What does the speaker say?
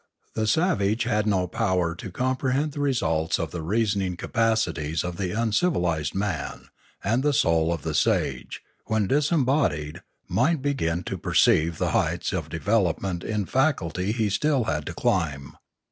The savage had no power to comprehend the results of the reasoning capacities of the civilised man; and the soul of the sage, when disembodied, might be gin to perceive the heights of development in faculty he had still to climb.